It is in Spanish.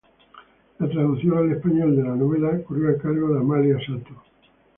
La traducción al español de la novela corrió a cargo Amalia Sato.